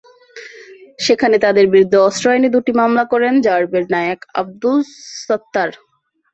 সেখানে তাঁদের বিরুদ্ধে অস্ত্র আইনে দুটি মামলা করেন র্যাবের নায়েক আবদুস সাত্তার।